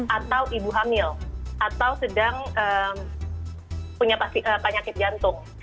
atau ibu hamil atau sedang punya penyakit jantung